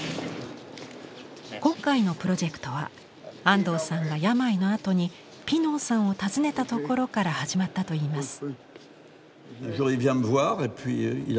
今回のプロジェクトは安藤さんが病のあとにピノーさんを訪ねたところから始まったといいます。